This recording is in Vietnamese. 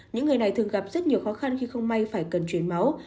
những người này thường gặp rất nhiều khó khăn khi không may phải cần chuyển máu